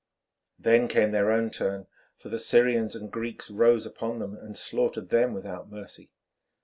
Then came their own turn, for the Syrians and Greeks rose upon them and slaughtered them without mercy.